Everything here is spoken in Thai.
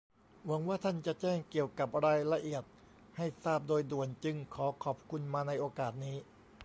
หวังว่าท่านจะแจ้งเกี่ยวกับรายละเอียดให้ทราบโดยด่วน จึงขอขอบคุณมาในโอกาสนี้